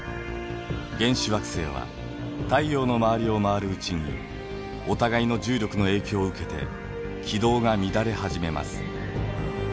原始惑星は太陽の周りを回るうちにお互いの重力の影響を受けて軌道が乱れ始めます。